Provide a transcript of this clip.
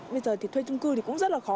bây giờ thì thuê chung cư thì cũng rất là khó